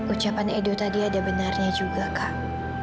ucapan edo tadi ada benarnya juga kak